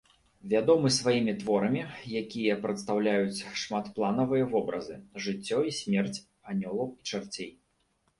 Вядомы сваімі творамі, якія прадстаўляюць шмапланавыя вобразы, жыццё і смерць, анёлаў і чарцей.